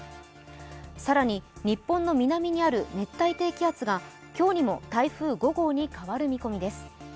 更に、日本の南にある熱帯低気圧が、今日にも台風５号に変わる見込みです。